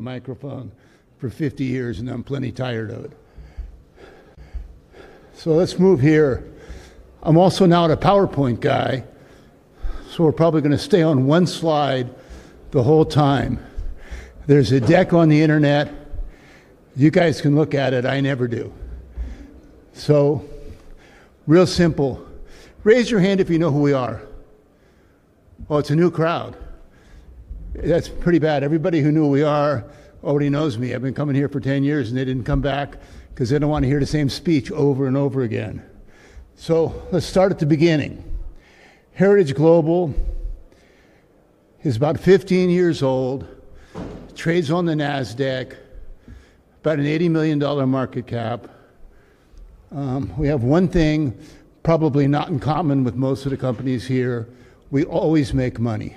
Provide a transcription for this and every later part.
Microphone for 50 years, and I'm plenty tired of it. Let's move here. I'm also not a PowerPoint guy, so we're probably going to stay on one slide the whole time. There's a deck on the internet. You guys can look at it. I never do. Real simple, raise your hand if you know who we are. Oh, it's a new crowd. That's pretty bad. Everybody who knew who we are already knows me. I've been coming here for 10 years, and they didn't come back because they don't want to hear the same speech over and over again. Let's start at the beginning. Heritage Global is about 15 years old, trades on the NASDAQ, about an $80 million market cap. We have one thing probably not in common with most of the companies here. We always make money.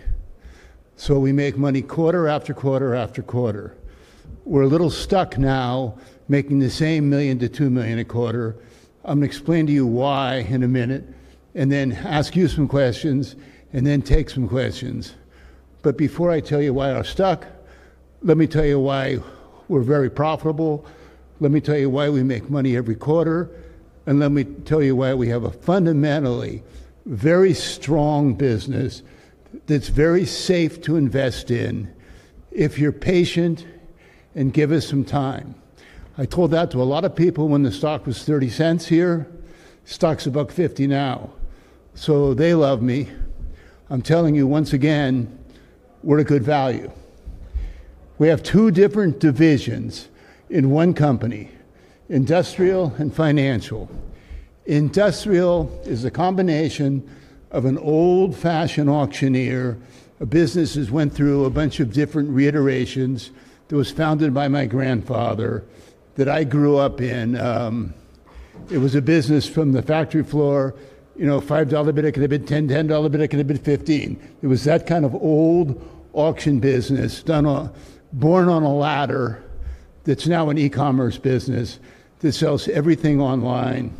We make money quarter after quarter after quarter. We're a little stuck now making the same $1 million-$2 million a quarter. I'm going to explain to you why in a minute and then ask you some questions and then take some questions. Before I tell you why we're stuck, let me tell you why we're very profitable. Let me tell you why we make money every quarter. Let me tell you why we have a fundamentally very strong business that's very safe to invest in if you're patient and give us some time. I told that to a lot of people when the stock was $0.30 here. The stock's above $0.50 now. They love me. I'm telling you once again, we're at good value. We have two different divisions in one company: industrial and financial. Industrial is a combination of an old-fashioned auctioneer, a business that went through a bunch of different reiterations, that was founded by my grandfather, that I grew up in. It was a business from the factory floor. You know, $5 bid could have bid $10, $10 bid could have bid $15. It was that kind of old auction business, born on a ladder that's now an e-commerce business that sells everything online.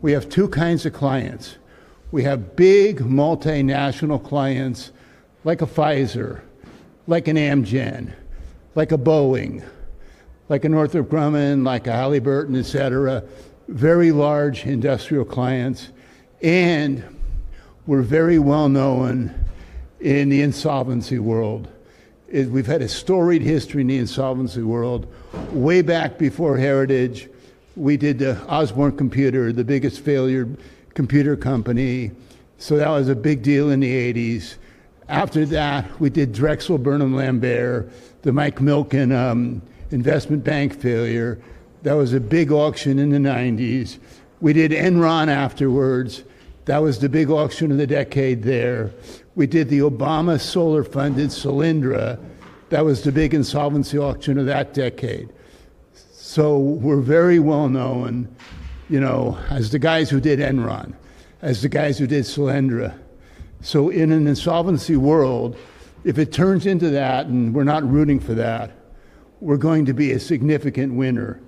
We have two kinds of clients. We have big multinational clients like a Pfizer, like an Amgen, like a Boeing, like a Northrop Grumman, like a Halliburton, et cetera. Very large industrial clients. We're very well known in the insolvency world. We've had a storied history in the insolvency world way back before Heritage. We did the Osborne Computer, the biggest failure computer company. That was a big deal in the 1980s. After that, we did Drexel Burnham Lambert, the Mike Milken investment bank failure. That was a big auction in the 1990s. We did Enron afterwards. That was the big auction of the decade there. We did the Obama solar-funded Solyndra. That was the big insolvency auction of that decade. We're very well known, you know, as the guys who did Enron, as the guys who did Solyndra. In an insolvency world, if it turns into that and we're not rooting for that, we're going to be a significant winner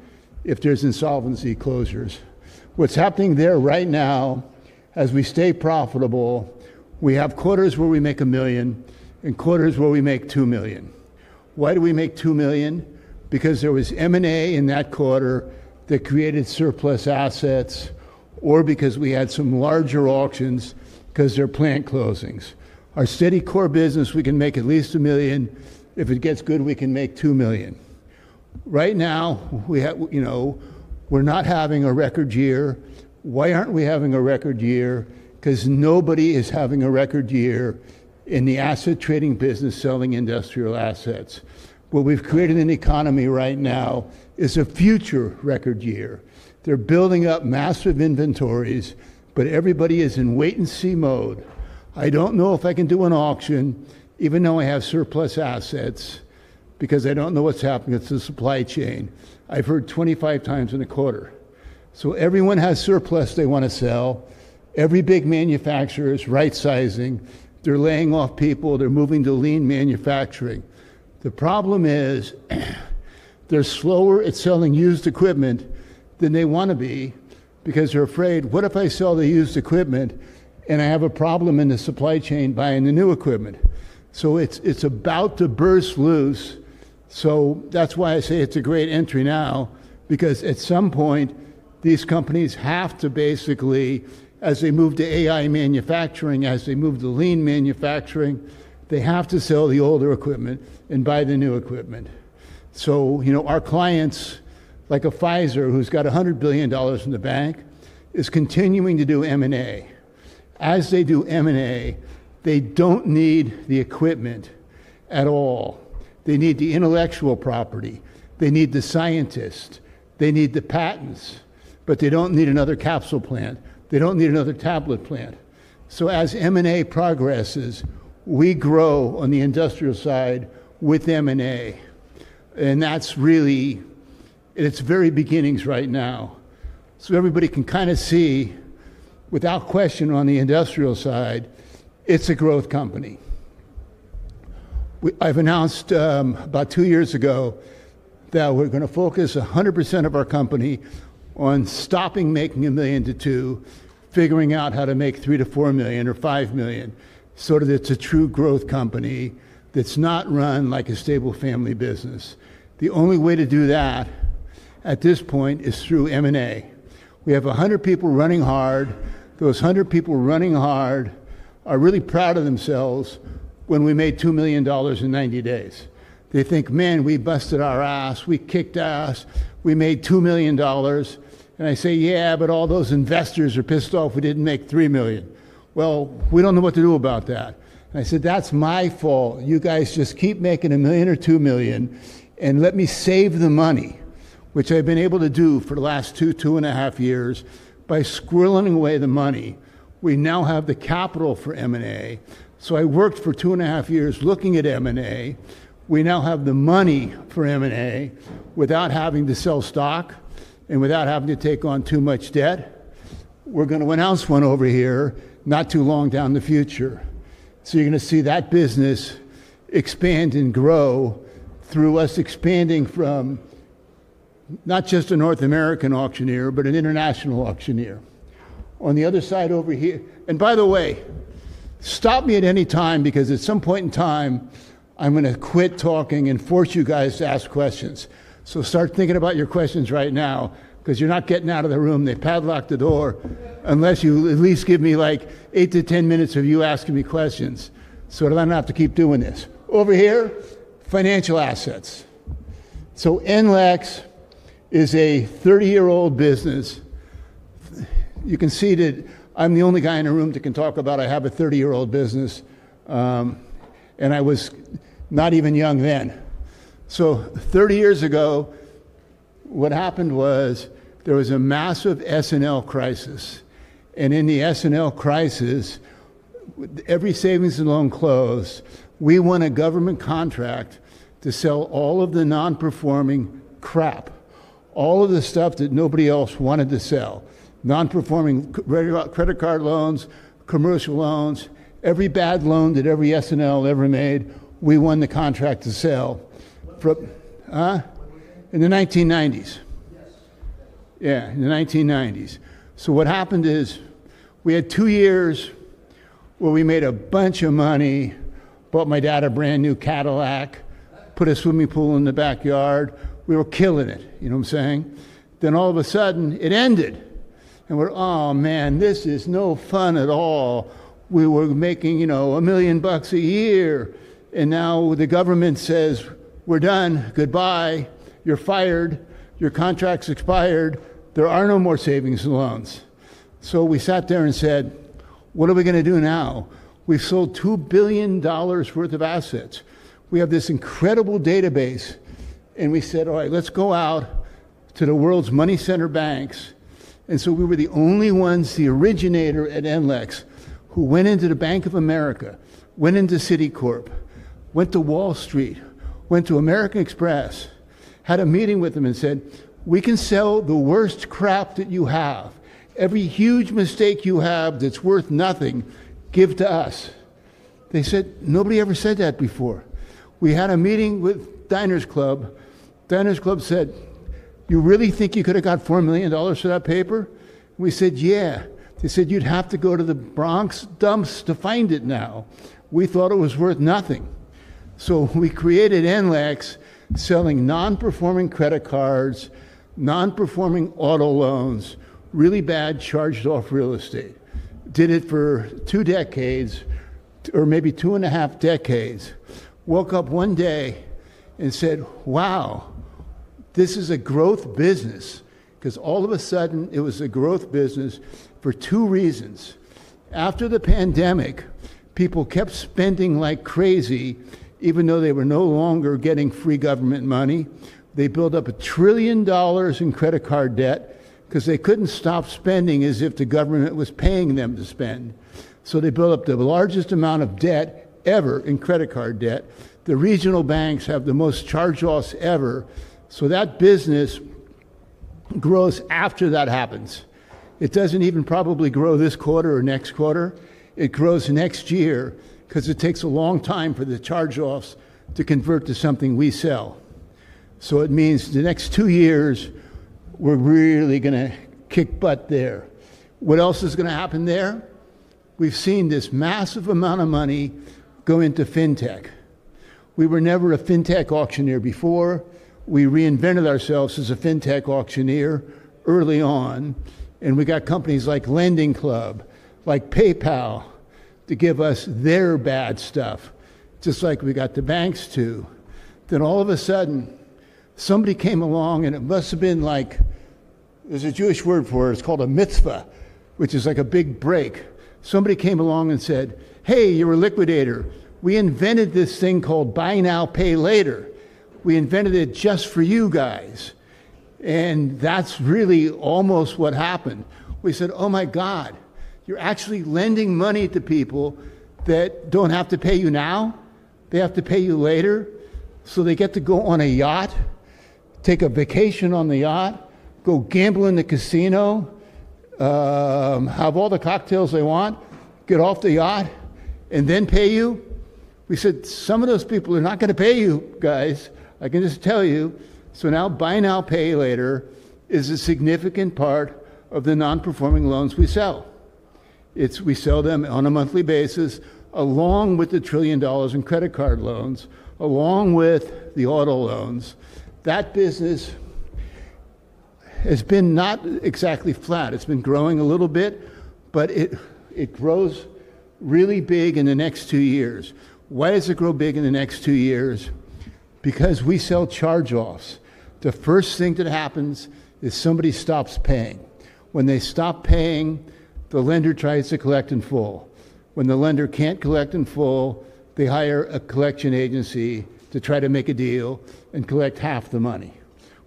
if there's insolvency closures. What's happening there right now, as we stay profitable, we have quarters where we make $1 million and quarters where we make $2 million. Why do we make $2 million? Because there was M&A in that quarter that created surplus assets or because we had some larger auctions because they're plant closings. Our steady core business, we can make at least $1 million. If it gets good, we can make $2 million. Right now, you know, we're not having a record year. Why aren't we having a record year? Because nobody is having a record year in the asset trading business selling industrial assets. What we've created in the economy right now is a future record year. They're building up massive inventories, but everybody is in wait-and-see mode. I don't know if I can do an auction even though I have surplus assets because I don't know what's happening with the supply chain. I've heard 25x in a quarter. Everyone has surplus they want to sell. Every big manufacturer is right-sizing. They're laying off people. They're moving to lean manufacturing. The problem is they're slower at selling used equipment than they want to be because they're afraid, what if I sell the used equipment and I have a problem in the supply chain buying the new equipment? It's about to burst loose. That's why I say it's a great entry now because at some point, these companies have to basically, as they move to AI manufacturing, as they move to lean manufacturing, they have to sell the older equipment and buy the new equipment. Our clients, like a Pfizer, who's got $100 billion in the bank, is continuing to do M&A. As they do M&A, they don't need the equipment at all. They need the intellectual property. They need the scientists. They need the patents. They don't need another capsule plant. They don't need another tablet plant. As M&A progresses, we grow on the industrial side with M&A. That's really at its very beginnings right now. Everybody can kind of see, without question, on the industrial side, it's a growth company. I announced about two years ago that we're going to focus 100% of our company on stopping making $1 million-$2 million, figuring out how to make $3 million to $4 million or $5 million, so that it's a true growth company that's not run like a stable family business. The only way to do that at this point is through M&A. We have 100 people running hard. Those 100 people running hard are really proud of themselves when we made $2 million in 90 days. They think, man, we busted our ass. We kicked ass. We made $2 million. I say, yeah, but all those investors are pissed off we didn't make $3 million. We don't know what to do about that. I said, that's my fault. You guys just keep making $1 million-$2 million. Let me save the money, which I've been able to do for the last two, two and a half years by squirreling away the money. We now have the capital for M&A. I worked for two and a half years looking at M&A. We now have the money for M&A without having to sell stock and without having to take on too much debt. We're going to announce one over here not too long down in the future. You're going to see that business expand and grow through us expanding from not just a North American auctioneer, but an international auctioneer. On the other side over here, and by the way, stop me at any time because at some point in time, I'm going to quit talking and force you guys to ask questions. Start thinking about your questions right now because you're not getting out of the room. They padlocked the door unless you at least give me like 8-10 minutes of you asking me questions so that I don't have to keep doing this. Over here, financial assets. NLEX is a 30-year-old business. You can see that I'm the only guy in the room that can talk about I have a 30-year-old business. I was not even young then. Thirty years ago, what happened was there was a massive S&L crisis. In the S&L crisis, every savings and loan closed. We won a government contract to sell all of the non-performing crap, all of the stuff that nobody else wanted to sell, non-performing credit card loans, commercial loans, every bad loan that every S&L ever made. We won the contract to sell. In the 1990s. Yeah, in the 1990s. What happened is we had two years where we made a bunch of money, bought my dad a brand new Cadillac, put a swimming pool in the backyard. We were killing it, you know what I'm saying? All of a sudden, it ended. We're, oh, man, this is no fun at all. We were making, you know, $1 million a year. Now the government says, we're done. Goodbye. You're fired. Your contract's expired. There are no more savings and loans. We sat there and said, what are we going to do now? We've sold $2 billion worth of assets. We have this incredible database. We said, all right, let's go out to the world's money center banks. We were the only ones, the originator at NLEX, who went into Bank of America, went into Citicorp, went to Wall Street, went to American Express, had a meeting with them, and said, we can sell the worst crap that you have, every huge mistake you have that's worth nothing, give to us. They said, nobody ever said that before. We had a meeting with Diners Club. Diners Club said, you really think you could have got $4 million for that paper? We said, yeah. They said, you'd have to go to the Bronx dumps to find it now. We thought it was worth nothing. We created NLEX selling non-performing credit cards, non-performing auto loans, really bad charged-off real estate. Did it for two decades or maybe two and a half decades. Woke up one day and said, wow. This is a growth business because all of a sudden, it was a growth business for two reasons. After the pandemic, people kept spending like crazy, even though they were no longer getting free government money. They built up $1 trillion in credit card debt because they couldn't stop spending as if the government was paying them to spend. They built up the largest amount of debt ever in credit card debt. The regional banks have the most charge-offs ever. That business grows after that happens. It doesn't even probably grow this quarter or next quarter. It grows next year because it takes a long time for the charge-offs to convert to something we sell. It means the next two years, we're really going to kick butt there. What else is going to happen there? We've seen this massive amount of money go into fintech. We were never a fintech auctioneer before. We reinvented ourselves as a fintech auctioneer early on. We got companies like LendingClub, like PayPal to give us their bad stuff, just like we got the banks to. All of a sudden, somebody came along, and it must have been like, there's a Jewish word for it. It's called a mitzvah, which is like a big break. Somebody came along and said, hey, you're a liquidator. We invented this thing called buy now, pay later. We invented it just for you guys. That's really almost what happened. We said, oh my god, you're actually lending money to people that don't have to pay you now. They have to pay you later. They get to go on a yacht, take a vacation on the yacht, go gamble in the casino, have all the cocktails they want, get off the yacht, and then pay you. We said, some of those people are not going to pay you, guys. I can just tell you. Now buy now, pay later is a significant part of the non-performing loans we sell. We sell them on a monthly basis, along with the trillion dollars in credit card loans, along with the auto loans. That business has been not exactly flat. It's been growing a little bit, but it grows really big in the next two years. Why does it grow big in the next two years? We sell charge-offs. The first thing that happens is somebody stops paying. When they stop paying, the lender tries to collect in full. When the lender can't collect in full, they hire a collection agency to try to make a deal and collect half the money.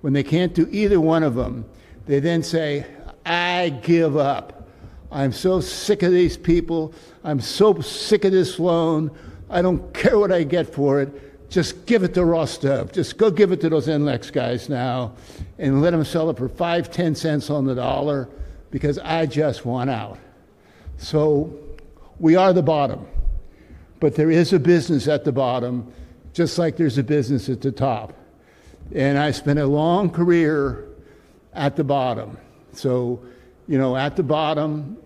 When they can't do either one of them, they say, I give up. I'm so sick of these people. I'm so sick of this loan. I don't care what I get for it. Just give it to Ross Dove. Just go give it to those NLEX guys now and let them sell it for $0.05, $0.10 on the dollar because I just want out. We are the bottom. There is a business at the bottom, just like there's a business at the top. I spent a long career at the bottom. At the bottom,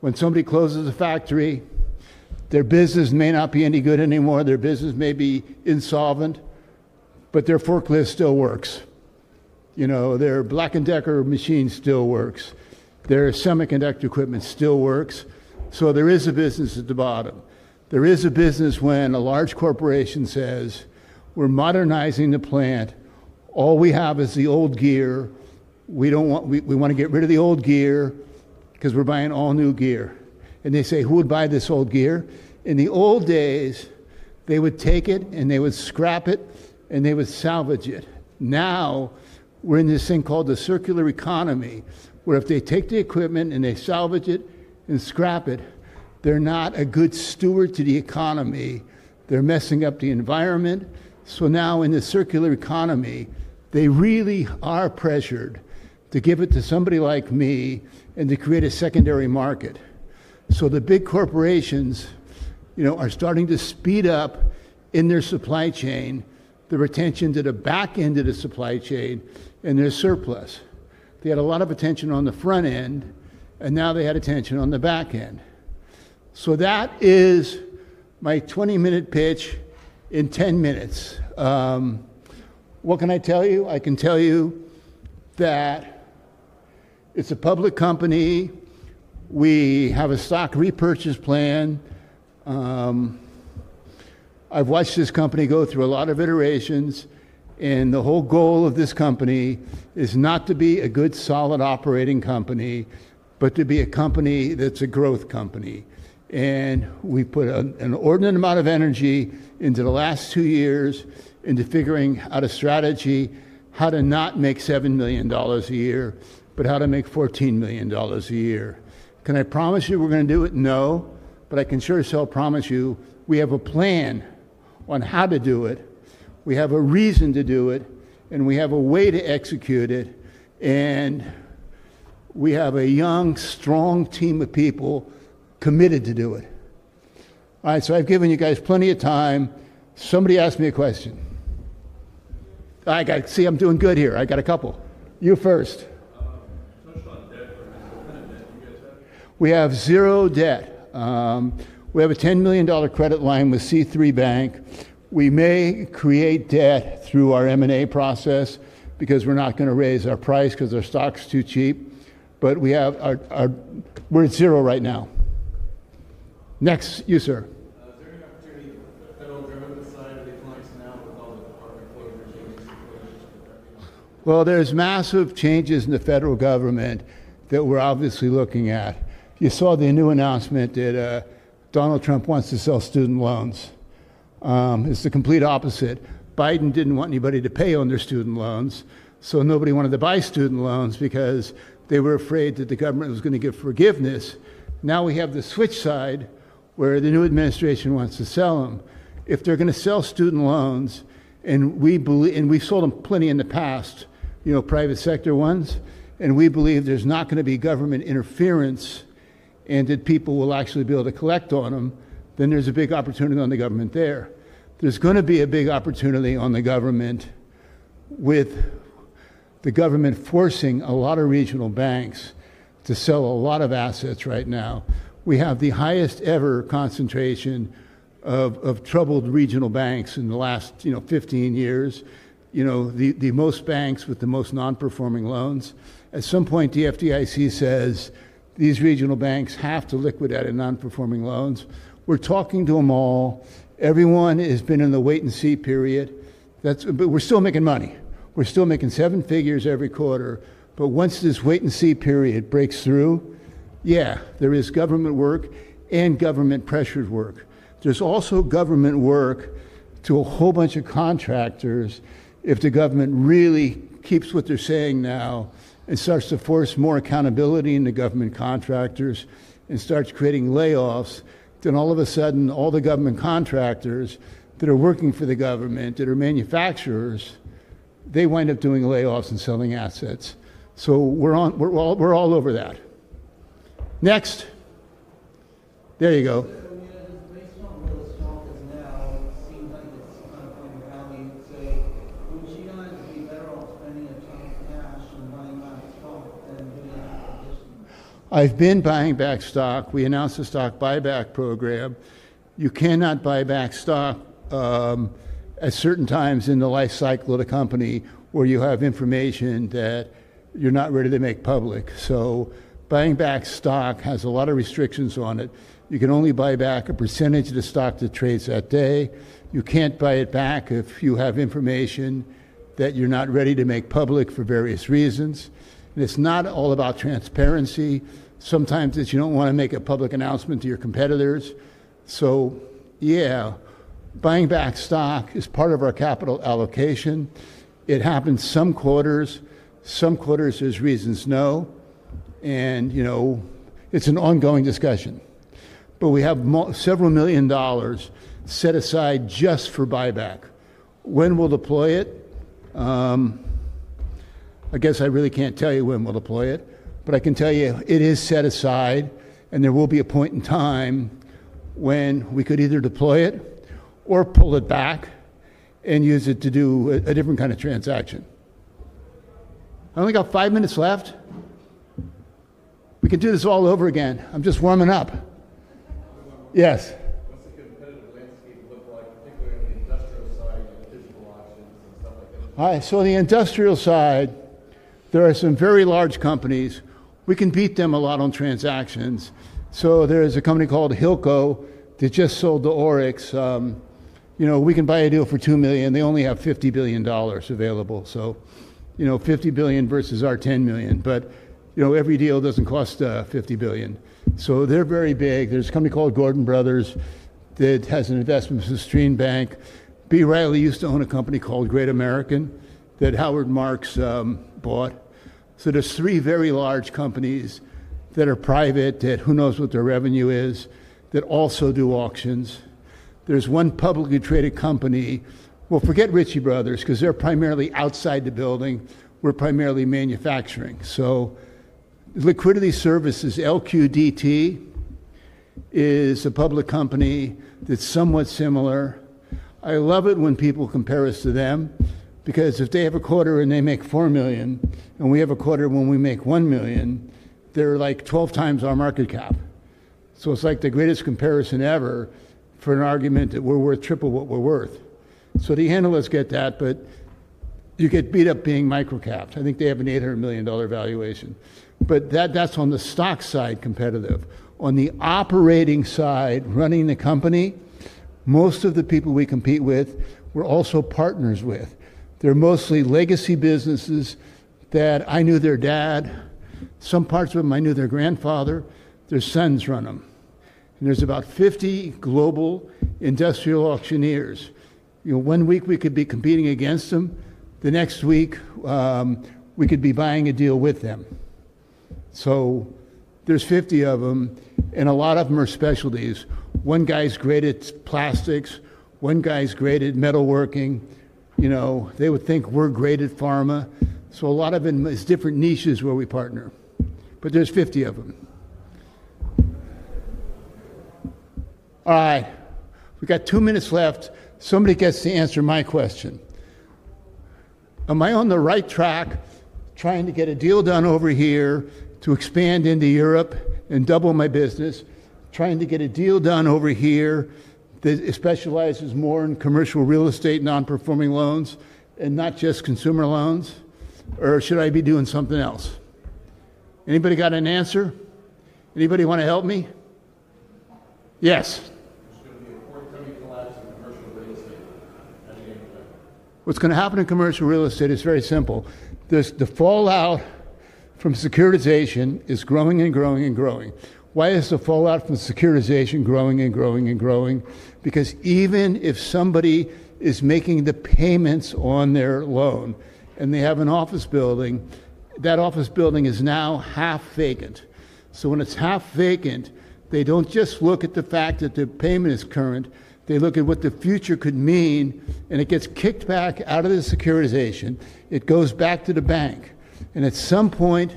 when somebody closes a factory, their business may not be any good anymore. Their business may be insolvent, but their forklift still works. Their BLACK+DECKER machine still works. Their semiconductor equipment still works. There is a business at the bottom. There is a business when a large corporation says, we're modernizing the plant. All we have is the old gear. We want to get rid of the old gear because we're buying all new gear. They say, who would buy this old gear? In the old days, they would take it and they would scrap it and they would salvage it. Now we're in this thing called the circular economy, where if they take the equipment and they salvage it and scrap it, they're not a good steward to the economy. They're messing up the environment. In the circular economy, they really are pressured to give it to somebody like me and to create a secondary market. The big corporations, you know, are starting to speed up in their supply chain, the retention to the back end of the supply chain, and their surplus. They had a lot of attention on the front end, and now they had attention on the back end. That is my 20-minute pitch in 10 minutes. What can I tell you? I can tell you that it's a public company. We have a stock repurchase plan. I've watched this company go through a lot of iterations. The whole goal of this company is not to be a good, solid operating company, but to be a company that's a growth company. We put an inordinate amount of energy into the last two years into figuring out a strategy, how to not make $7 million a year, but how to make $14 million a year. Can I promise you we're going to do it? No, but I can sure as hell promise you we have a plan on how to do it. We have a reason to do it. We have a way to execute it. We have a young, strong team of people committed to do it. All right, I've given you guys plenty of time. Somebody ask me a question. I got to see I'm doing good here. I got a couple. You first. Touch on debt for a minute. What kind of debt do you guys have? We have zero debt. We have a $10 million credit line with C3bank. We may create debt through our M&A process because we're not going to raise our price because our stock's too cheap. We're at zero right now. Next, you, sir. Is there any opportunity for the federal government to decide where the economy is now with all the carbon closures and the institutional closures that are happening? There are massive changes in the federal government that we're obviously looking at. You saw the new announcement that Donald Trump wants to sell student loans. It's the complete opposite. Biden didn't want anybody to pay on their student loans. Nobody wanted to buy student loans because they were afraid that the government was going to give forgiveness. Now we have the switch side where the new administration wants to sell them. If they're going to sell student loans, and we sold them plenty in the past, private sector ones, and we believe there's not going to be government interference and that people will actually be able to collect on them, then there's a big opportunity on the government there. There's going to be a big opportunity on the government with the government forcing a lot of regional banks to sell a lot of assets right now. We have the highest ever concentration of troubled regional banks in the last 15 years, the most banks with the most non-performing loans. At some point, the FDIC says these regional banks have to liquidate non-performing loans. We're talking to them all. Everyone has been in the wait-and-see period. We're still making money. We're still making seven figures every quarter. Once this wait-and-see period breaks through, there is government work and government-pressured work. There's also government work to a whole bunch of contractors. If the government really keeps what they're saying now and starts to force more accountability into government contractors and starts creating layoffs, then all of a sudden, all the government contractors that are working for the government, that are manufacturers, they wind up doing layoffs and selling assets. We're all over that. Next. There you go. Yeah, just based on where the stock is now, it seems like it's kind of going down. You'd say, wouldn't you guys be better off spending a ton of cash and buying back stock than giving it back additional cash? I've been buying back stock. We announced a stock repurchase program. You cannot buy back stock at certain times in the life cycle of the company where you have information that you're not ready to make public. Buying back stock has a lot of restrictions on it. You can only buy back a percentage of the stock that trades that day. You can't buy it back if you have information that you're not ready to make public for various reasons. It's not all about transparency. Sometimes you don't want to make a public announcement to your competitors. Yeah, buying back stock is part of our capital allocation. It happens some quarters. Some quarters, there's reasons no. It's an ongoing discussion. We have several million dollars set aside just for buyback. When we'll deploy it, I guess I really can't tell you when we'll deploy it. I can tell you it is set aside. There will be a point in time when we could either deploy it or pull it back and use it to do a different kind of transaction. I only got five minutes left. We could do this all over again. I'm just warming up. How does the competitive landscape look, particularly on the industrial side with digital auctions and stuff like that? All right, so on the industrial side, there are some very large companies. We can beat them a lot on transactions. There is a company called Hilco that just sold to ORIX. You know, we can buy a deal for $2 million. They only have $50 billion available. You know, $50 billion versus our $10 million. Every deal doesn't cost $50 billion. They're very big. There's a company called Gordon Brothers that has an investment in the Stream Bank. B. Riley used to own a company called Great American that Howard Marks bought. There are three very large companies that are private, that who knows what their revenue is, that also do auctions. There's one publicly traded company. Forget Ritchie Brothers because they're primarily outside the building. We're primarily manufacturing. Liquidity Services (LQDT) is a public company that's somewhat similar. I love it when people compare us to them because if they have a quarter and they make $4 million and we have a quarter when we make $1 million, they're like 12x our market cap. It's like the greatest comparison ever for an argument that we're worth triple what we're worth. The analysts get that. You get beat up being microcaps. I think they have an $800 million valuation. That's on the stock side competitive. On the operating side, running the company, most of the people we compete with, we're also partners with. They're mostly legacy businesses that I knew their dad. Some parts of them I knew their grandfather. Their sons run them. There are about 50 global industrial auctioneers. One week we could be competing against them. The next week, we could be buying a deal with them. There are 50 of them. A lot of them are specialties. One guy's great at plastics. One guy's great at metalworking. They would think we're great at pharma. A lot of them are different niches where we partner. There are 50 of them. All right, we've got two minutes left. Somebody gets to answer my question. Am I on the right track trying to get a deal done over here to expand into Europe and double my business, trying to get a deal done over here that specializes more in commercial real estate non-performing loans and not just consumer loans? Should I be doing something else? Anybody got an answer? Anybody want to help me? Yes. Is going to be a forthcoming collapse in commercial real estate. How do you handle that? Is going to happen in commercial real estate is very simple. The fallout from securitization is growing and growing and growing. Why is the fallout from securitization growing and growing and growing? Because even if somebody is making the payments on their loan and they have an office building, that office building is now half vacant. When it is half vacant, they do not just look at the fact that the payment is current. They look at what the future could mean, and it gets kicked back out of the securitization. It goes back to the bank. At some point,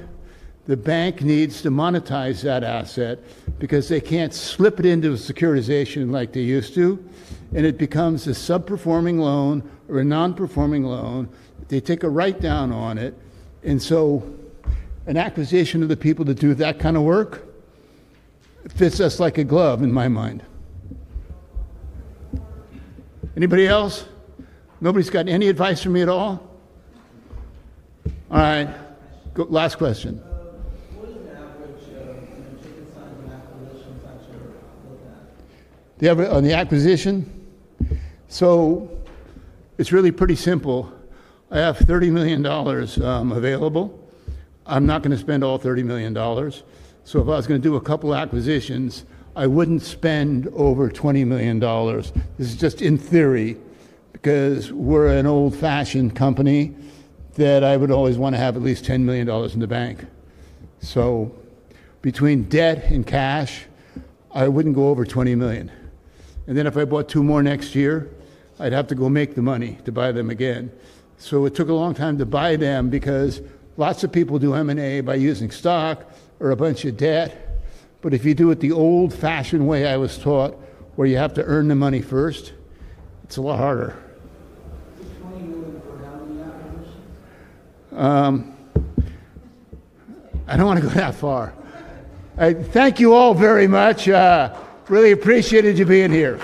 the bank needs to monetize that asset because they cannot slip it into securitization like they used to. It becomes a sub-performing loan or a non-performing loan. They take a write down on it. An acquisition of the people that do that kind of work fits us like a glove in my mind. Anybody else? Nobody has any advice for me at all? All right, last question. What is the average ticket size on acquisitions that you've looked at? On the acquisition? It's really pretty simple. I have $30 million available. I'm not going to spend all $30 million. If I was going to do a couple of acquisitions, I wouldn't spend over $20 million. This is just in theory because we're an old-fashioned company that I would always want to have at least $10 million in the bank. Between debt and cash, I wouldn't go over $20 million. If I bought two more next year, I'd have to go make the money to buy them again. It took a long time to buy them because lots of people do M&A by using stock or a bunch of debt. If you do it the old-fashioned way I was taught, where you have to earn the money first, it's a lot harder. Is $20 million for now in the acquisitions? I don't want to go that far. Thank you all very much. Really appreciate you being here.